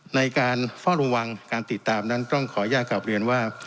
ในการเฝ้าระวังการติดตามนั้นต้องขออนุญาตกลับเรียนว่า